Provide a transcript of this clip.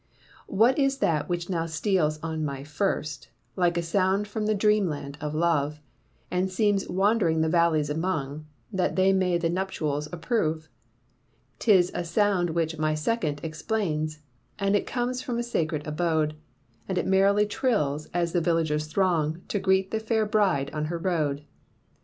What is that which now steals on my first, Like a sound from the dreamland of love, And seems wand'ring the valleys among, That they may the nuptials approve? 'Tis a sound which my second explains, And it comes from a sacred abode, And it merrily trills as the villagers throng To greet the fair bride on her road.